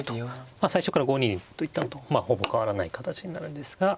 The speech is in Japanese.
まあ最初から５二と行ったのとほぼ変わらない形になるんですが。